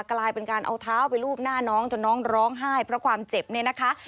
กลายเป็นการเอาเท้าไปรูปหน้าน้องจนน้องร้องไห้เพราะความเจ็บเนี่ยนะคะ